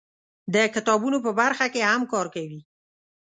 د کتابونو په برخه کې هم کار کوي.